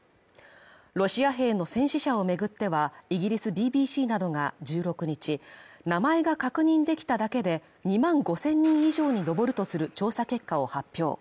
ロシア兵の戦死者を巡っては、イギリスＢＢＣなどが１６日、名前が確認できただけで２万５０００人以上に上るとする調査結果を発表。